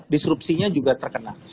disrupsinya juga terkena